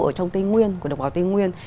ở trong tây nguyên của độc bào tây nguyên